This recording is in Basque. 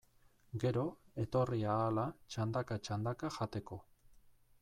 Gero, etorri ahala, txandaka-txandaka jateko.